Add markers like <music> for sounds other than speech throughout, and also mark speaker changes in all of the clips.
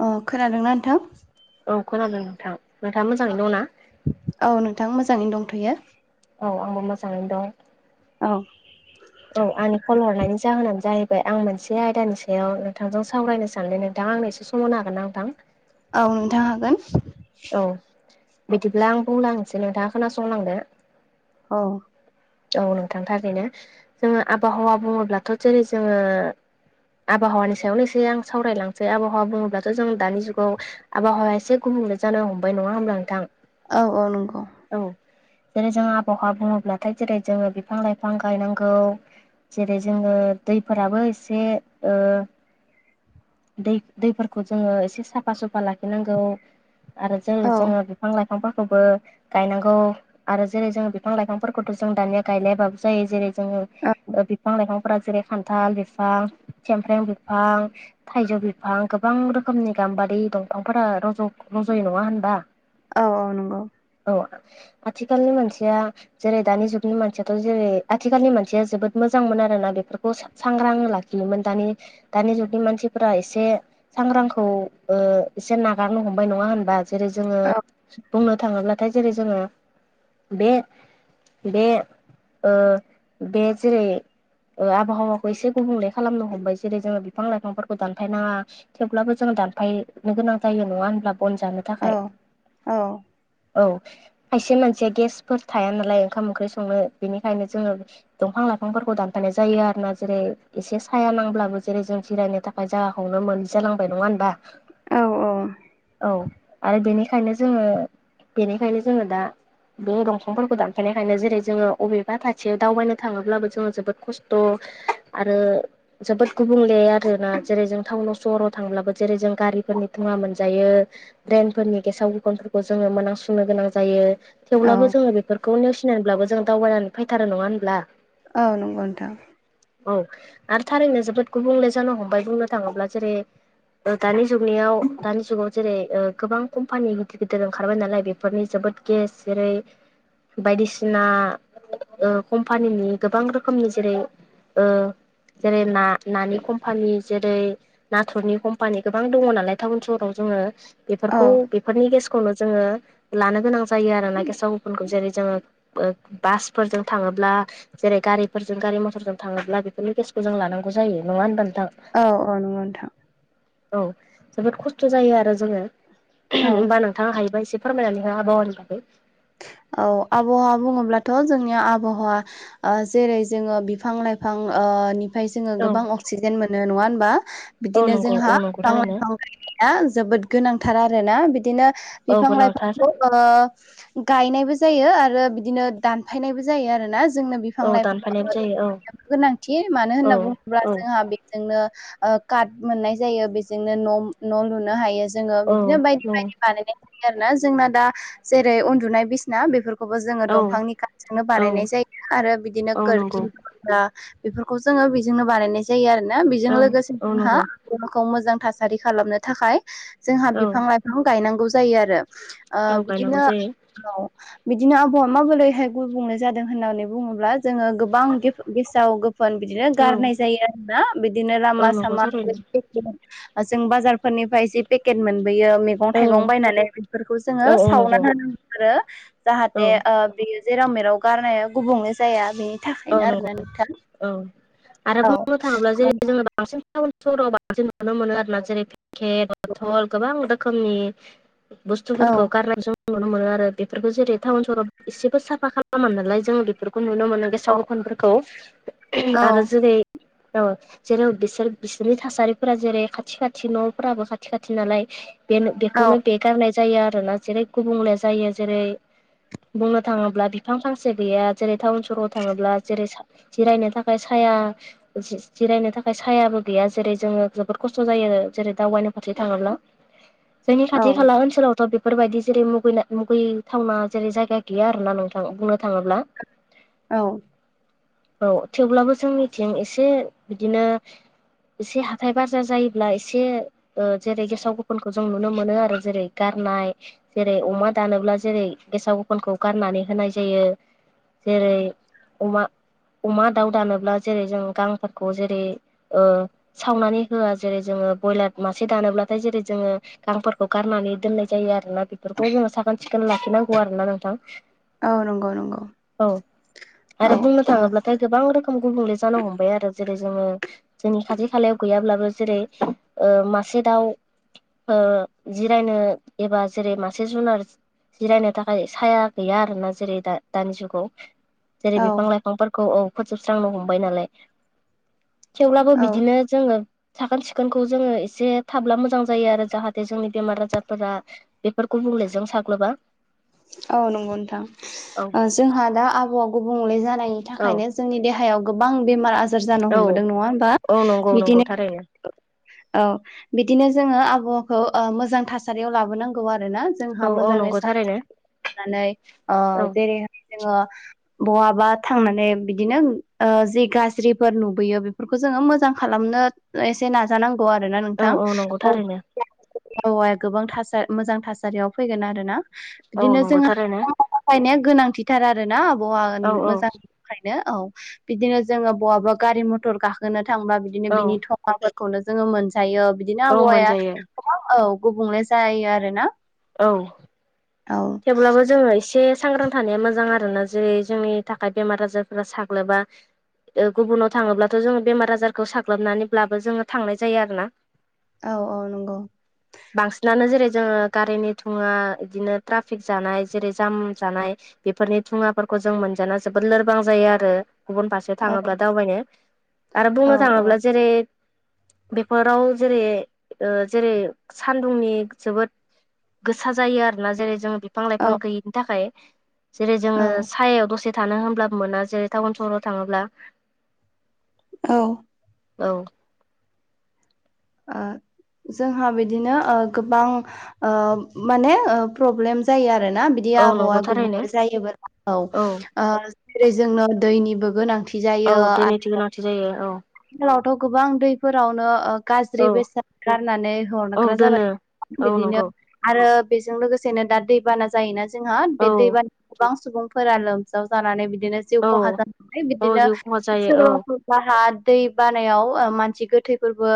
Speaker 1: अ खोनादोंना नोंथां।
Speaker 2: औ खोनादों नोंथां नोंथाङा मोजाङै दं ना?
Speaker 1: औ नोंथां मोजाङैनो दंथ'यो
Speaker 2: औ आंबो मोजाङैनो दं।
Speaker 1: औ
Speaker 2: औ आंनि कल हरनायनि जाहोनानो जाहैबाय आं मोनसे आयदानि सायाव नोंथांजों सावरायनो साननानै नोंथां आंनो एसे सम सम होनो हागोन ना नोंथां?
Speaker 1: औ नोंथां हागोन।
Speaker 2: औ बिदिब्ला आं बुंलांसै नोंथाङा खोनासंलांदो।
Speaker 1: औ
Speaker 2: औ नोंथां थारैनो जोङो आबहावा बुङोब्लाथ' जेरै जोङो आबहावानि सायावनो एसे आं सावरायलांसै आबहावा बुङोब्लाथ' जों दानि जुगाव आबहावाया एसे गुबुंले जानो हमबाय नङा होमब्ला नोंथां?
Speaker 1: औ औ नंगौ।
Speaker 2: औ जेरै जों आबहावा बुङोब्लाथाय जेरै जोङो बिफां लाइफां गायनांगौ जेरै जोङो दैफोराबो एसे ओ दै- दैफोरखौ जोङो एसे साफा सुफा लाखिनांगौ। आरो जेरै
Speaker 1: औ
Speaker 2: जोङो बिफां लाइफांफोरखौबो गायनांगौ आरो जेरै जोङो बिफां लाइफांफोरखौ खौथ जों दानिया गायलायबाबो जायो जेरै जोङो बिफां -लाइफां फ्रा जेरै खान्थाल बिफां सेमफ्रें बिफां थाइजौ बिफां गोबां रोखोमनि गाम्बारि दंफांफोरा रज' रज'यो नङा होनबा?
Speaker 1: औ औ नंगौ
Speaker 2: औ आ आथिखालनि मानसिया जेरै दानि जुगनि मानसियाथ' जेरै आथिखालनि मानसिया जोबोद मोजां मोन आरो ना बेफोरखौ स सांग्रां लाखियोमोन दानि दानि जुगनि मानसिफोरा एसे सांग्रांखौ ओ एसे नागारनो हमबाय नङा होनबा? जेरै जोङो
Speaker 1: औ
Speaker 2: बुंनो थाङोब्लाथाय जेरै जोङो बे बे ओ बे जेरै ओ आबहावाखौ एसे गुबुंले खालामनो हमबाय जेरै जोङो बिफां लाइफांफोरखौ दानफायनाङा। थेवब्लाबो जोंङो दानफायनो गोनां जायो नङा होनब्ला बन जानो।
Speaker 1: औ
Speaker 2: थाखाय
Speaker 1: औ
Speaker 2: औ खायसे मानसिया गेसफोर थाया नाया ना लाय ओंखाम ओंख्रि संनो बेनिखायनो जोङो दंफां लाइफांफोरखौ दानफानाय जायो आरो ना जेरै एसे साया नांब्लाबो जेरै जों जिरायनो थाख य जागाखौनो मोनि जालांबाय नङा होनबा?
Speaker 1: औ औ।
Speaker 2: औ आरो बेनिखायनो जोङो बेनिखायनो जोङो दा बे दंफांफोरखौ दान फायखायनो जेरै जोङो अबेबा खाथियाव दावबायनो थाङोब्लाबो जोङो जोबोद खस्थ'। आरो जोबोद गुबुंले आरो ना जेरै जों थाउनाव सहराव थांब्लाबो जेरै जों गारिफोरनि धुङा मोनजायो, द्रनफोरनि गेसाव गोफोनफोरखौ जोङो मोनांसुनो गोनां जायो,
Speaker 1: औ
Speaker 2: थेवब्लाबो जोङो बेफोरखौ नेवसिनानैब्लाबो जों दावबायनानै फैथारो नङा होनब्ला?
Speaker 1: औ नंगौ नोंथां।
Speaker 2: औ आरो थारैनो जोबोद गुबुंले जानो हमबाय बुंनो थाङोब्ला जेरै दानि जुगनियाव दानि जुगाव जेरै ओ गोबां कम्पानि गिदिर गिदिर ओंखारबाय नालाय बेफोरनि जोबोद गेस जेरै बायदिसिना ओ कम्पानिनि गोबां रोखोमनि जेरै ओ जेरै ना नानि कम्पानि जेरै नाथुरनि कम्पानि गोबां दङ नालाय टाउन सहराव जोङो
Speaker 1: औ
Speaker 2: बेफोरखौ बेफोरनि गेसखौनो जोङो लानो गोनां जायो आरोना गेसाव गोफोनखौ जेरै जोङो बो बासफोरजों थाङोब्ला जेरै गारिफोरजों गारि मथरजों थाङोब्ला बेफोरनि गेसखौ जों लानांगौ जायो नङा होनबा नोंथां?
Speaker 1: औ औ नोंगौ नोंथां।
Speaker 2: औ, जोबोद खस्थ' जायो आरो जोङो
Speaker 1: औ
Speaker 2: <unintelligible> होमबा नों थां हायोबा एसे फोरमायनानै हो आबहावानि बागै।
Speaker 1: औ आबहावा बुङोब्लाथ' जोंनि आब'हावा ओ जेरै जोङो बिफां लाइफां ओ निफाय जोङो
Speaker 2: औ
Speaker 1: गोबां अक्सि जेन मोनो नङा होनबा?
Speaker 2: औ
Speaker 1: बिदिनो
Speaker 2: नंगौ औ
Speaker 1: जोंहा
Speaker 2: नंगौ
Speaker 1: बिफां
Speaker 2: थारैनो
Speaker 1: लाइफां <unintelligible> जोबोद गोनांथार आरोना बिदिनो
Speaker 2: औ
Speaker 1: बिफां
Speaker 2: गोनांथार
Speaker 1: लाइफांखौ ओ गायनायबो जायो आरो बिदिनो दानफायनायबो जायो आरोना जोंनो बि बिफां
Speaker 2: औ दानफायनायबो जायो औ
Speaker 1: <unintelligible> गोनांथि मानो
Speaker 2: औ
Speaker 1: होनना बुङोब्ला जोंहा बे जोंनो ओ काट मोननाय जायो बेजोंनो न' न' लुनो हायो। जोङो बिदिनो बायदि
Speaker 2: औ
Speaker 1: बायदि बानायनाय नुयो आरोना जोंना दा जेरै उन्दुनाय बिसना बेफोर खौबो जोङो
Speaker 2: औ
Speaker 1: दंफांनि खाथजोंनो बानायनाय
Speaker 2: औ
Speaker 1: जायो आरो बिदिनो
Speaker 2: औ नंगौ
Speaker 1: खोरखि <unintelligible> बेफोरखौ जोङो बिजोंनो बानायनाय जायो आरो ना बिजों
Speaker 2: औ
Speaker 1: लोगोसे
Speaker 2: औ
Speaker 1: जोंहा
Speaker 2: नंगौ
Speaker 1: ग'खौ मोजां थासारि खालामनो थाखाय जोंहा
Speaker 2: औ
Speaker 1: बिफां लाइफां गायनांगौ जायो आरो। ओ
Speaker 2: औ गायनांगौ
Speaker 1: बिदिनो
Speaker 2: जायो
Speaker 1: औ बिदिनो आब'हावा माबोरैहाय गुबुंले जादों होननानै बुङोब्ला जोङो गोबां गेफ गेसाव गोफोन बिदिनो
Speaker 2: औ
Speaker 1: गारनाय जायो आरोना बिदिनो
Speaker 2: औ
Speaker 1: लामा
Speaker 2: नंगौ
Speaker 1: सामा
Speaker 2: थारैनो
Speaker 1: <unintelligible> जों बाजारफोरनिफ्राय जे पेकेट मोनबोयो मे गं
Speaker 2: औ
Speaker 1: थायगं बायनानै बेफोरखौ जोङो
Speaker 2: औ औ नंगौ
Speaker 1: सावनानै होनांगौ आरो
Speaker 2: औ
Speaker 1: जाहाथे ओ ओ बेयो जेराव मेराव गारनाया गुबुंलै जाया बे
Speaker 2: औ नोंगौ औ आरो
Speaker 1: औ
Speaker 2: बुंनो थाङोब्ला जेरै
Speaker 1: औ
Speaker 2: जोङो बांसिन टाउन सहराव बांसिन नुनो मोनो आरोना जेरै के बथल गोबां रोखोमनि
Speaker 1: औ
Speaker 2: बुस्थुफोरखौ गारनाय ज नुनो मोनो आरो बेफोरखौ जेरै टाउन सहराव एसेबो साफा खालामा नालाय जों बेफोरखौ नुनो मोनो साव गोफोनफोरखौ <unintelligible> आरो जेरै ओ जेराव बिसोर बिसिनि थासारिफोरा जेरै खाथि खाथि न'फोराबो खाथि खाथि नालाय बेनो
Speaker 1: औ
Speaker 2: बेखौनो बे गारनाय जायो आरो ना जेरै गुबुंले जायो जेरै बुंनो थाङोब्ला बिफां फांसे गैया जेरै टाउन सहराव थाङोब्ला जेरै जिरायनो थाखाय साया दसे जिरायनो थाखाय सायाबो गैया जेरै जोङो जोबोद खस्थ' जायो जेरै दावबायनो फारसे थाङोब्ला जोंनि
Speaker 1: औ
Speaker 2: खाथि खाला ओनसोलावथ' बे बेफोरबायदि जेरै मुगैना मुगैथावना जेरै जायगा गैया आरो ना नोंथां बुंनो थाङोब्ला
Speaker 1: औ
Speaker 2: औ थेवब्लाबो जोंनिथिं एसे बिदिनो इसे हाथाय बाजार जायोब्ला इसे ओ जेरै गेसाव गोफोनखौ जों नुनो मोनो आरो जेरै गारनाय जेरै अमा दानोब्ला जेरै गेसाव गोफोनखौ गाननानै होनाय जायो जेरै अमा अमा दाउ दानोब्ला जेरै जों गांफोरखौ जेरै ओ सावनानै होआ जेरै जोङो बयलार मासे दानोब्लाथाय जेरै जोङो गांफोरखौ गारनानै दोननाय जायो आरोना बेफोरखौ जोङो साखोन सिखोन लाखिनांगौ आरो ना नोंथां
Speaker 1: औ नंगौ नंगौ
Speaker 2: औ
Speaker 1: औ
Speaker 2: आरो बुंनो
Speaker 1: औ
Speaker 2: थाङोब्लाथाय गोबां रोखोम गुबुंले जानो हमबाय आरो जेरै जोङो जोंनि खाथि खालायाव गैयाब्लाबो जेरै ओह मासे दाउ ओह जिरायनो एबा जेरै मासे जुनार जिरायनो थाखाय साया गैया आरो ना जेरै दा दानि जुगाव जेरै
Speaker 1: औ
Speaker 2: बिफां लाइफांफोरखौ औ फोजोबस्रांनो हमबाय नालाय थेवब्लाबो
Speaker 1: औ
Speaker 2: बिदिनो जोङो साखोन सिखोनखौ जोङो एसे थाब्ला मोजां जायो आरो जाहाथे जोंनि बेमार आजारफोरा बेफोर बुंलेजों साग्लोबा
Speaker 1: औ नंगौ नोंथां
Speaker 2: औ
Speaker 1: ओह जोंहा दा आबहावा गुबुंले जानायनि
Speaker 2: औ
Speaker 1: थाखायनो जोंनि देहायाव गोबां बेमार आजार जानो
Speaker 2: औ
Speaker 1: हमबोदों नङा होमबा
Speaker 2: औ नंगौ नंगौ
Speaker 1: बिदिनो
Speaker 2: थारैनो
Speaker 1: औ बिदिनो जोङो आबहावाखौ ओ मोजां थासारियाव लाबोनांगौ आरो ना
Speaker 2: औ
Speaker 1: जोंहा
Speaker 2: औ
Speaker 1: मोजाङै
Speaker 2: नंगौ
Speaker 1: साब
Speaker 2: थारैनो
Speaker 1: सिखन खालामनानै ओ
Speaker 2: औ
Speaker 1: जेरैहाय जोङो बहाबा थांनानै बिदिनो ओह जि गाज्रिफोर नुबोयो बेफोरखौ जोङो मोजां खालामनो एसे नाजानांगौ आरोना
Speaker 2: औ
Speaker 1: नोंथां
Speaker 2: नंगौ
Speaker 1: औ
Speaker 2: थारैनो
Speaker 1: औवाया गोबां थासा मोजां थासारियाव फैगोन ना
Speaker 2: औ
Speaker 1: बिदिनो
Speaker 2: नंगौ
Speaker 1: जोंङो
Speaker 2: थारैनो
Speaker 1: गाइनाया गोनांथिथार आरोना
Speaker 2: औ
Speaker 1: आबहावानि
Speaker 2: औ
Speaker 1: मोजां खायनो औ बिदिनो जोङो बहाबा गारि मथर गाखोनो थांबा बिदिनो
Speaker 2: औ
Speaker 1: बिनि <unintelligible> खौनो जोङो मोनजायो बिदिनो
Speaker 2: औ
Speaker 1: आबहावाया
Speaker 2: मोनजायो
Speaker 1: <unintelligible> औ गुबुंले जायो आरो ना।
Speaker 2: औ थेवब्लाबो जोङो एसे सांग्रां थानाया मोजां आरो ना जेरै जोंनि थाखाय बेमार आजारफोरा साग्लोबा ओ गुबुनाव थांङोब्लाथ' जोङो बेमार आजारखौ साग्लोबनानैब्लाबो जोङो थांनाय जायो आरो ना।
Speaker 1: औ औ नंगौ।
Speaker 2: बांसिनानो जेरै जोङो गारिनि थुङा इदिनो ट्राफिक जानाय जेरै जाम जानाय बेफोरनि थुङाफोरखौ जों मोनजाना जोबोद लोरबां जायो आरो गुबुन फारसे
Speaker 1: औ
Speaker 2: थाङोबा दावबायनो आरो
Speaker 1: औ
Speaker 2: बुंनो थाङोब्ला जेरै बेफोराव जेरै ओ जेरै सान्दुंनि जोबोद गोसा जायो आरोना जेरै जोङो बिफां
Speaker 1: औ
Speaker 2: लाइफां गैयैनि थाखाय जेरै जोङो
Speaker 1: औ
Speaker 2: सायायाव दसे थानो होनब्लाबो मोना जेरै टाउन सहराव थाङोब्ला
Speaker 1: औ
Speaker 2: औ
Speaker 1: ओ
Speaker 2: <inaudible>
Speaker 1: जोंहा बिदिनो ओ गोबां ओ माने प्रब्लेम जायो आरोना बिद दि
Speaker 2: औ
Speaker 1: आबहावा
Speaker 2: नंगौ थारैनो
Speaker 1: गुबुंले जायोबा औ ओ जेरै जोंनो दैनिबो गोनांथि
Speaker 2: औ
Speaker 1: जायो आ
Speaker 2: दैनि थि गोनांथि जायो औ
Speaker 1: आथिखालावथ' गोबां दै फोरावनो ओ गाज्रि
Speaker 2: औ
Speaker 1: बेसाद गारनानै
Speaker 2: औ
Speaker 1: हरग्रा
Speaker 2: दोनो
Speaker 1: जाबाय
Speaker 2: औ
Speaker 1: बिदिनो
Speaker 2: नंगौ
Speaker 1: आरो बेजों लोगोसेनो दा दैबाना जायोना जोंहा बे
Speaker 2: औ
Speaker 1: दैबाना गोबां सुबुंफोरा लोमजाव जानानै बिदिनो जिउ
Speaker 2: औ
Speaker 1: खहा जानानै
Speaker 2: औ
Speaker 1: बिदिनो
Speaker 2: जिउ खहा जायो औ
Speaker 1: सोरबाफोर साहा दै बानायाव ओ मानसि गोथैफोरबो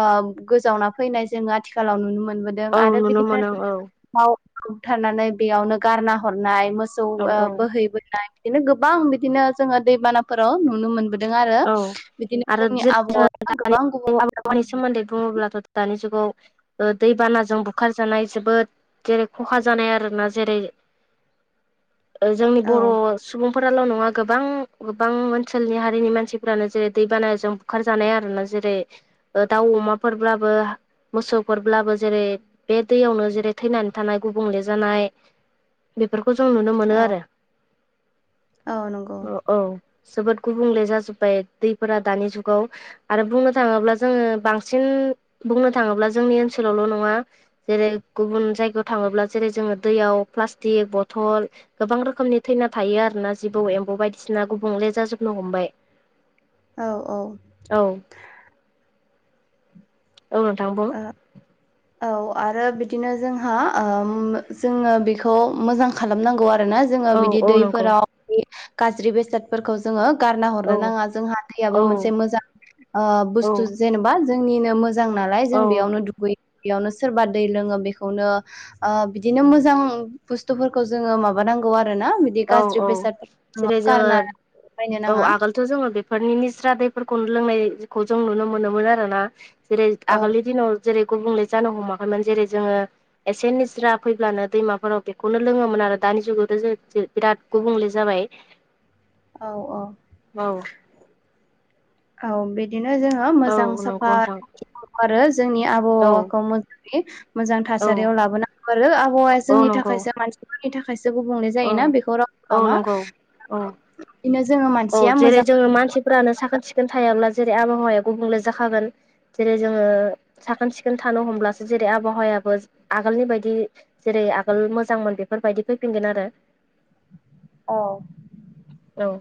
Speaker 1: ओह गोजावना फैनाय जोङो आथिखालाव नुनो मोनबोदों
Speaker 2: औ
Speaker 1: आरो
Speaker 2: नुनो
Speaker 1: बिदिनो
Speaker 2: मोनो औ
Speaker 1: थाव बुथारनानै बेयावनो गारना हरनाय मोसौ
Speaker 2: औ
Speaker 1: ओह
Speaker 2: औ
Speaker 1: बोहैबोनाय बिदिनो गोबां बिदिनो जोङो दैबानाफोराव नुनो मोनबोदों आरो।
Speaker 2: औ
Speaker 1: बिदिनो
Speaker 2: आरो
Speaker 1: जोंनि
Speaker 2: जोङो
Speaker 1: आबहावाया
Speaker 2: दानि
Speaker 1: गोबां गुबुं
Speaker 2: आबहावानि सोमोन्दै बुङोब्लाथ' दानि जुगाव ओ दैबानाजों बुखारजानाय जोबोद जेरै खहा जानाय आरो ना जेरै <inaudible> ओ जोंनि
Speaker 1: औ
Speaker 2: बर' सुबुंफोराल' नङा गोबां गोबां ओनसोलनि हारिनि मान मानसिफ्रानो जेरै-दैबानाजों बुखार जानाय आरो ना जेरै- दाउ अमाफोरब्लाबो मोसौफोरब्लाबो जेरै बे दैयावनो जेरै थैनानै थानाय गुबुंले जानाय बेफोरखौ जों नुनो मोनो
Speaker 1: औ
Speaker 2: आरो।
Speaker 1: औ नंगौ
Speaker 2: औ जोबोद गुबुंले जाजोब्बाय दैफोरा दानि जुगाव आरो बुंनो थाङोब्ला जोङो बांसिन, बुंनो थाङोब्ला जोंनि ओनसोलआवल' नङा जेरै गुबुन जायगायाव थाङोब्ला जेरै जोङो दैयाव प्लास्टिक बथल गोबां रोखोमनि थैना थायो आरोना जिबौ एम्फौ बायदिसिना गुबुंले जाजोबनो हमबाय
Speaker 1: औ औ
Speaker 2: औ औ नोंथां बुं
Speaker 1: ओ औ आरो बिदिनो जोंहा ओम जोङो बेखौ मोजां खालामनांगौ आरोना जोङो
Speaker 2: औ
Speaker 1: बिदि
Speaker 2: औ नंगौ
Speaker 1: दैफोराव बिदि गाज्रि बेसाद फोरखौ जोङो गारना हरनो
Speaker 2: औ
Speaker 1: नाङा, जोंहा दैयाबो
Speaker 2: औ
Speaker 1: मोनसे मोजां ओ
Speaker 2: औ
Speaker 1: बुस्थु जेनेबा जोंनिनो मोजां नालाय जों
Speaker 2: औ
Speaker 1: बेयावनो दुगैयो बेयावनो सोरबा दै लोङो बेखौनो ओ बिदिनो मोजां बुस्थुफोरखौ जोङो माबा नांगौ आरोना बिदि
Speaker 2: औ
Speaker 1: गाज्रि
Speaker 2: औ
Speaker 1: बेसादफोर <inaudible> गारला बायनो नाङा
Speaker 2: थ' जोङो बेफोरनि निस्रा दैफोरखौ लोंनायखौ जों नुनो मोनोमोन आरो ना जेरै
Speaker 1: औ
Speaker 2: आगोलनि दिनाव जेरै गुबुंले जानो हमाखैमोन जेरै जोङो एसे निज्रा फैब्लानो दैमाफोराव बेखौनो लोङोमोन आरो दानि जुगावथ' बिराद गुबुंले जाबाय
Speaker 1: औ औ
Speaker 2: औ
Speaker 1: औ बिदिनो जोङो
Speaker 2: औ
Speaker 1: मोजां
Speaker 2: नंगौ
Speaker 1: साफा
Speaker 2: नोंथां
Speaker 1: <inaudible> आरो जोंनि
Speaker 2: औ
Speaker 1: आबहावाखौ मोजाङै मोजां
Speaker 2: औ
Speaker 1: थासारियाव लाबोनांगौ आरो आबहावाया
Speaker 2: औ
Speaker 1: जोंनि
Speaker 2: नंगौ
Speaker 1: थाखायसो मानसिफोरनि थाखायसो गुबुंले
Speaker 2: औ
Speaker 1: जायोना बेखौ रावबो
Speaker 2: औ
Speaker 1: खालामा
Speaker 2: नंगौ औ
Speaker 1: <inaudible> बिदिनो जोङो मानसिया मोजां
Speaker 2: फोरानो साखोन सिखोन थायाब्ला जेरै आबहावाया गुबुंले जाखागोन जेरै जोङो साखोन सिखोन थानो हमब्लासो जेरै आबहावायाबो आगोलनि बायदि जेरै आगोल मोजांमोन बेफोरबायदि फैफिनगोन आरो
Speaker 1: औ
Speaker 2: औ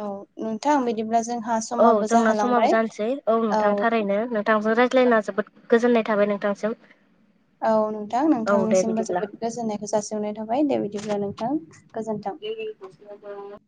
Speaker 1: औ नोंथां बिदिब्ला जोंहा स
Speaker 2: औ जोंना समाबो जानोसै औ नोंथां थारैनो नों थांजों रायज्लायना जोबोद गोजोननाय थाबाय नोंथांसिम
Speaker 1: औ नोंथां
Speaker 2: औ दे
Speaker 1: नोंथांनिसिमबो
Speaker 2: बिदिब्ला
Speaker 1: जोबोद गोजोननायखो जासिहरनाय थाबाय दे बिदिब्ला नोंथां। गोजोन्थों।
Speaker 2: <unintelligible>